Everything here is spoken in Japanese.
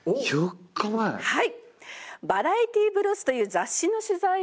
はい。